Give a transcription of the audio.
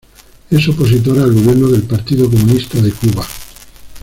Es opositor al gobierno del Partido Comunista de Cuba.